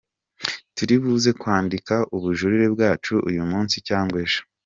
Turi buze kwandika ubujurire bwacu uyu munsi cyangwa ejo.